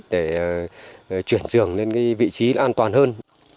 để chuyển trường lên vị trí an toàn hơn